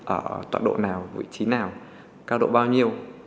ở tọa độ nào vị trí nào cao độ bao nhiêu